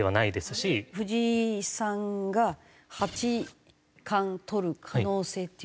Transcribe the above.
藤井さんが八冠取る可能性っていうか。